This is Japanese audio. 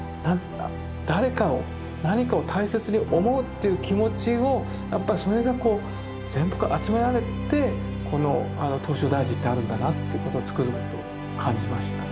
誰かを何かを大切に思うっていう気持ちをやっぱりそれがこう全部集められてこの唐招提寺ってあるんだなということをつくづく感じました。